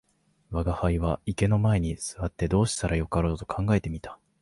吾輩は池の前に坐ってどうしたらよかろうと考えて見た